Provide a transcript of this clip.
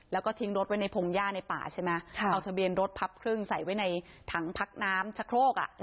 แล้วก็ทิ้งรถไว้ในพงหญ้าในป่าใช่ไหมเอาทะเบียนรถพับครึ่งใส่ไว้ในถังพักน้ำชะโครกอ่ะ